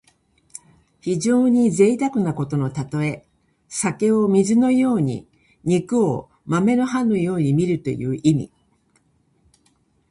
非常にぜいたくなことのたとえ。酒を水のように肉を豆の葉のようにみるという意味。